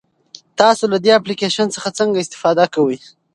تاسو له دې اپلیکیشن څخه څنګه استفاده کوئ؟